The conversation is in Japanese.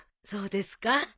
そうですか。